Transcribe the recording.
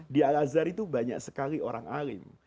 di al azhar itu banyak sekali orang alim